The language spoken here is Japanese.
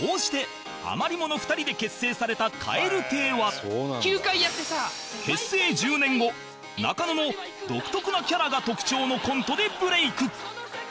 こうして余り者２人で結成された蛙亭は結成１０年後中野の独特なキャラが特徴のコントでブレイク